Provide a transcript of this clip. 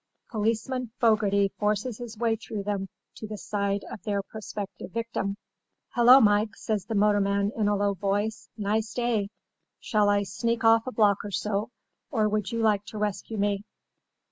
Policeman Fogarty forces his way through them to the side of their prospective victim. "'Hello, Mike,' says the motorman in a low voice, 'nice day. Shall I sneak off a block or so, or would you like to rescue me?